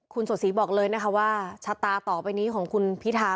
คุณสดศรีบอกเลยนะคะว่าชะตาต่อไปนี้ของคุณพิธา